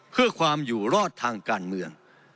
เพื่อความอยู่รอดทางการเมือง